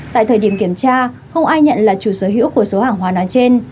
tại thời điểm kiểm tra không ai nhận là chủ sở hữu của số hàng hóa nói trên